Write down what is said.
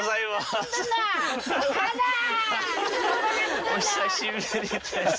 お久しぶりです。